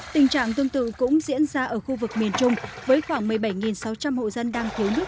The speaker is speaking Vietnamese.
tình trạng tương tự cũng diễn ra ở khu vực miền trung với khoảng một mươi bảy sáu trăm linh hộ dân đang thiếu nước